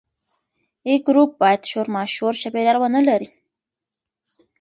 A ګروپ باید شورماشور چاپیریال ونه لري.